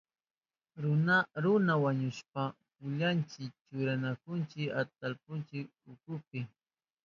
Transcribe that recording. Runa wañushpan pillunchi churananchipa atahulnin ukupi.